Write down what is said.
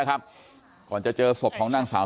กลุ่มตัวเชียงใหม่